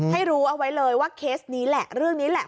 ให้รู้เอาไว้เลยว่าเคสนี้แหละเรื่องนี้แหละ